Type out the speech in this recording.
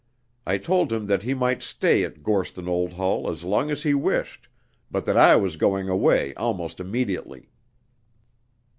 I told him that he might stay at Gorston Old Hall as long as he wished, but that I was going away almost immediately.